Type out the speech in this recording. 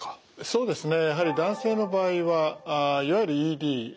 そうですね。